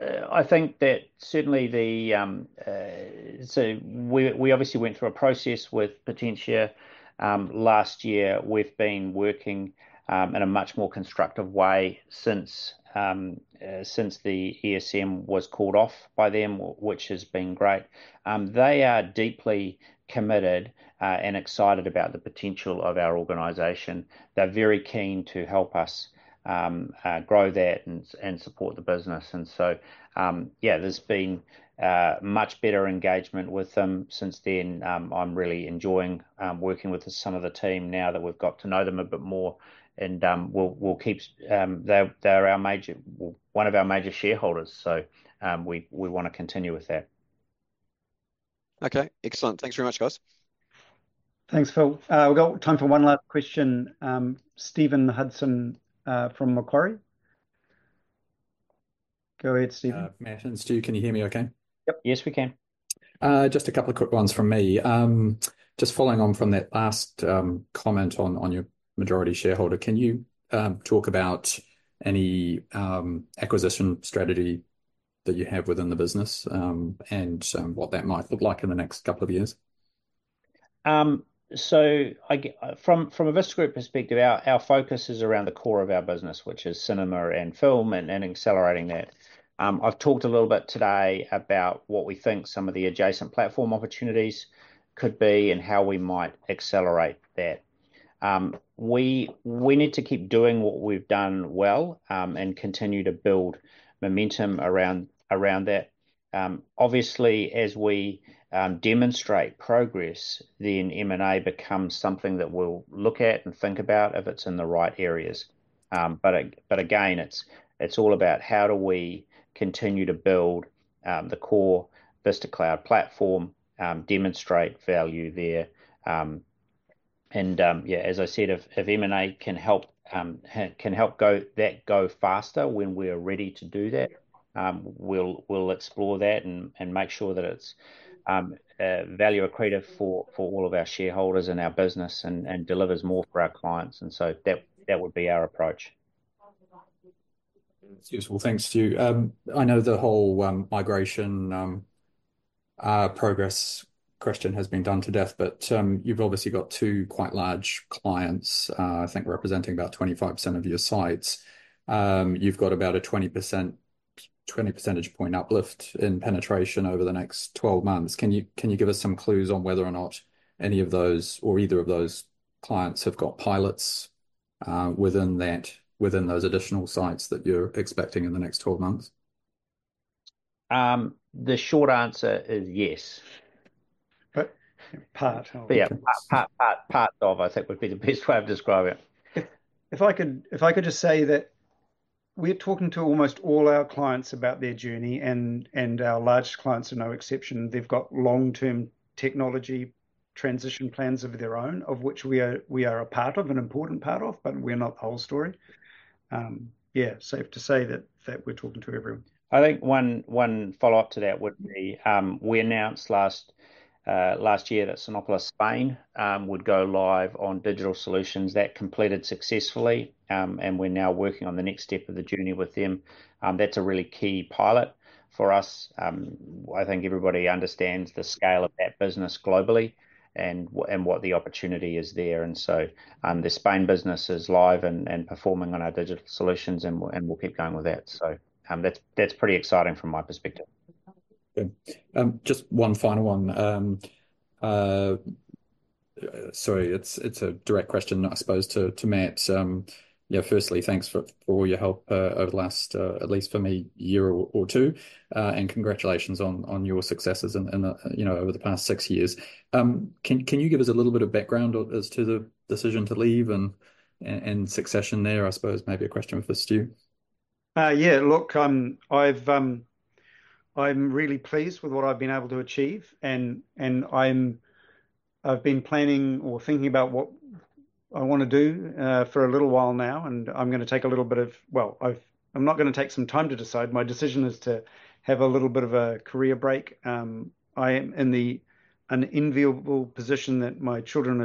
I think that certainly the so we obviously went through a process with Potentia last year. We've been working in a much more constructive way since the ESM was called off by them, which has been great. They are deeply committed and excited about the potential of our organization. They're very keen to help us grow that and support the business. Yeah, there's been much better engagement with them since then. I'm really enjoying working with some of the team now that we've got to know them a bit more. We'll keep they're one of our major shareholders, so we want to continue with that. Okay. Excellent. Thanks very much, guys. Thanks, Phil. We've got time for one last question. Stephen Hudson from Macquarie. Go ahead, Stephen. Matt and Stu, can you hear me okay? Yep. Yes, we can. Just a couple of quick ones from me. Just following on from that last comment on your majority shareholder, can you talk about any acquisition strategy that you have within the business and what that might look like in the next couple of years? From a Vista Group perspective, our focus is around the core of our business, which is cinema and film and accelerating that. I have talked a little bit today about what we think some of the adjacent platform opportunities could be and how we might accelerate that. We need to keep doing what we have done well and continue to build momentum around that. Obviously, as we demonstrate progress, then M&A becomes something that we will look at and think about if it is in the right areas. Again, it is all about how we continue to build the core Vista Cloud platform, demonstrate value there. As I said, if M&A can help that go faster when we are ready to do that, we will explore that and make sure that it is value accretive for all of our shareholders and our business and delivers more for our clients. That would be our approach. That's useful. Thanks, Stu. I know the whole migration progress question has been done to death, but you've obviously got two quite large clients, I think, representing about 25% of your sites. You've got about a 20 percentage point uplift in penetration over the next 12 months. Can you give us some clues on whether or not any of those or either of those clients have got pilots within those additional sites that you're expecting in the next 12 months? The short answer is yes. Part. Yeah. Part of, I think, would be the best way of describing it. If I could just say that we're talking to almost all our clients about their journey, and our largest clients are no exception. They've got long-term technology transition plans of their own, of which we are a part of, an important part of, but we're not the whole story. Yeah, safe to say that we're talking to everyone. I think one follow-up to that would be we announced last year that Cinépolis Spain would go live on digital solutions. That completed successfully, and we're now working on the next step of the journey with them. That's a really key pilot for us. I think everybody understands the scale of that business globally and what the opportunity is there. The Spain business is live and performing on our digital solutions, and we'll keep going with that. That's pretty exciting from my perspective. Just one final one. Sorry, it's a direct question, I suppose, to Matt. Yeah, firstly, thanks for all your help over the last, at least for me, year or two. And congratulations on your successes over the past six years. Can you give us a little bit of background as to the decision to leave and succession there? I suppose maybe a question for Stu? Yeah. Look, I'm really pleased with what I've been able to achieve. I've been planning or thinking about what I want to do for a little while now, and I'm going to take a little bit of, well, I'm not going to take some time to decide. My decision is to have a little bit of a career break. I am in an enviable position that my children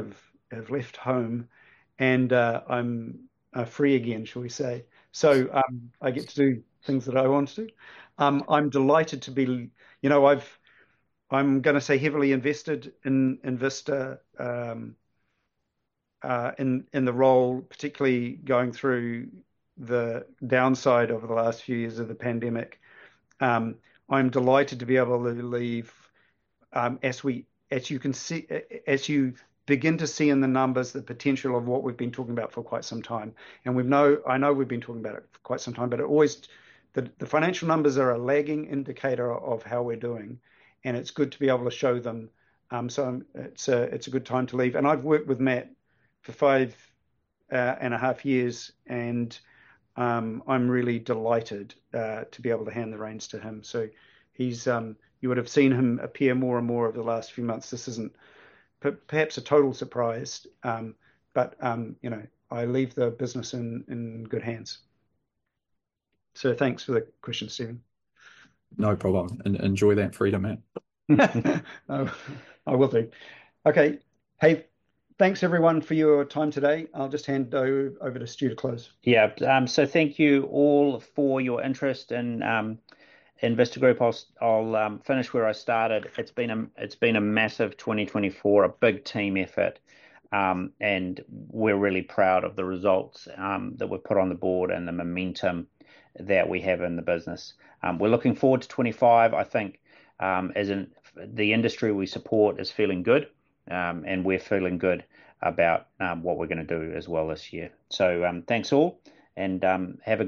have left home, and I'm free again, shall we say. I get to do things that I want to do. I'm delighted to be—I'm going to say heavily invested in Vista in the role, particularly going through the downside over the last few years of the pandemic. I'm delighted to be able to leave as you begin to see in the numbers the potential of what we've been talking about for quite some time. I know we've been talking about it for quite some time, but the financial numbers are a lagging indicator of how we're doing, and it's good to be able to show them. It is a good time to leave. I have worked with Matt for five and a half years, and I'm really delighted to be able to hand the reins to him. You would have seen him appear more and more over the last few months. This is not perhaps a total surprise, but I leave the business in good hands. Thanks for the question, Stephen. No problem. Enjoy that freedom, Matt. I will do. Okay. Hey, thanks, everyone, for your time today. I'll just hand over to Stu to close. Yeah. Thank you all for your interest in Vista Group. I'll finish where I started. It's been a massive 2024, a big team effort, and we're really proud of the results that we've put on the board and the momentum that we have in the business. We're looking forward to 2025. I think the industry we support is feeling good, and we're feeling good about what we're going to do as well this year. Thank you all, and have a.